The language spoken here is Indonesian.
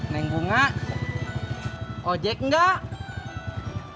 nengkunga ojek enggak